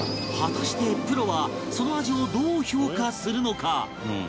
果たしてプロはその味をどう評価するのか？